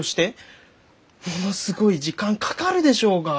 ものすごい時間かかるでしょうが！